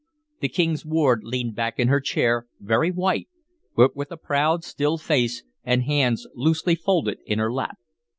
The King's ward leaned back in her chair, very white, but with a proud, still face, and hands loosely folded in her lap.